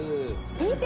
見て！